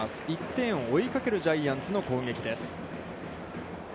１点を追いかけるジャイアンツの攻撃です。